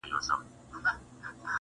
چي پر لاري برابر سي او سړی سي-